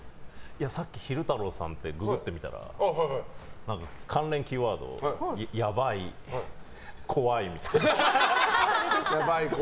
さっき昼太郎さんってググってみたら関連キーワードにやばい、怖いみたいな。